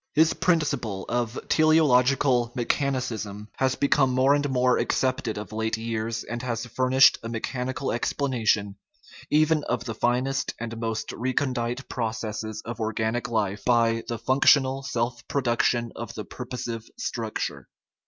His principle of " teleological mechanism" has become more and more accepted of late years, and has fur nished a mechanical explanation even of the finest and most recondite processes of organic life by " the f unc 263 THE RIDDLE OF THE UNIVERSE tional self production of the purposive structure."